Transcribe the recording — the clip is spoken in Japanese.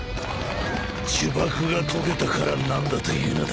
呪縛が解けたから何だというのだ。